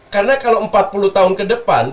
karena kalau empat puluh tahun ke depan